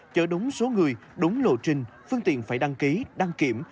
chở đúng số người đúng lộ trình phương tiện phải đăng ký đăng kiểm